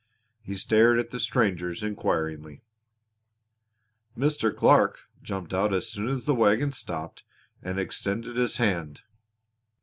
He stared at the strangers inquiringly. Mr. Clark jumped out as soon as the wagon stopped, and extended his hand.